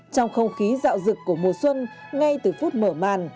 trong không khí dạo rực của mùa xuân ngay từ phút mở màn